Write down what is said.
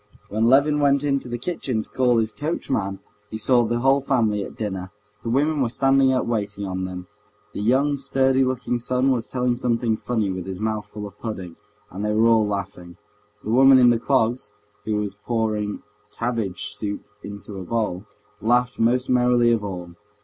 When Levin went into the kitchen to call his coachman he saw the whole family at dinner. The women were standing up waiting on them. The young, sturdy looking son was telling something funny with his mouth full of pudding, and they were all laughing, the woman in the clogs, who was pouring cabbage soup into a bowl, laughing most merrily of all.